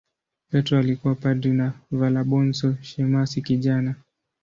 Petro alikuwa padri na Valabonso shemasi kijana.